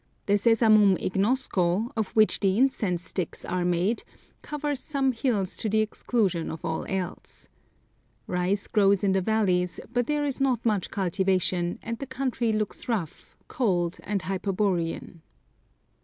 The Sesamum ignosco, of which the incense sticks are made, covers some hills to the exclusion of all else. Rice grows in the valleys, but there is not much cultivation, and the country looks rough, cold, and hyperborean.